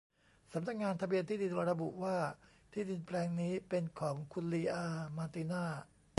สำนักงานทะเบียนที่ดินระบุว่าที่ดินแปลงนี้เป็นของคุณลีอาห์ มาร์ติน่า